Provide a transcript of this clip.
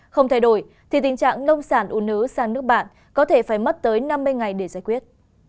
không thay đổi thì tình trạng nông sản u nứ sang nước bạn có thể phải mất tới năm mươi ngày để giải quyết